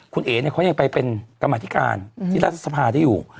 คุณเอ๋เนี่ยเขายังไปเป็นกรรมธิการที่รัฐสภาได้อยู่